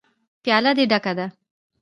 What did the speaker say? _پياله دې ډکه ده.